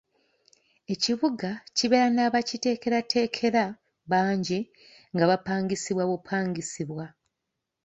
Ekibuga kibeera n'abakiteekerateekera bangi nga bapangisibwa bupangisibwa.